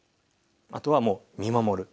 あとはもう見守る。